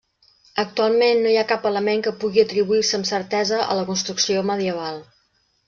Actualment no hi ha cap element que pugui atribuir-se amb certesa a la construcció medieval.